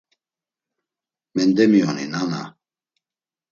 Mendemiyoni nana!